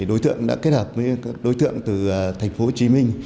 đối tượng đã kết hợp với đối tượng từ thành phố hồ chí minh